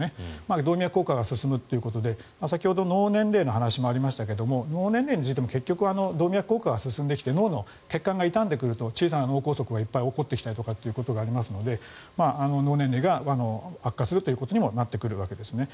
動脈硬化が進むということで先ほど脳年齢の話もありましたが脳年齢についても結局、動脈硬化が進んできて脳の血管が傷んでくると小さな脳梗塞がいっぱい起こってきたりということがありますので脳年齢が悪化するということにもなってくるわけですね。